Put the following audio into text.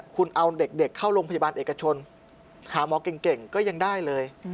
คุณเอาเด็กเข้าโรงพยาบาลเอกชนหาหมอเก่งก็ยังได้เลย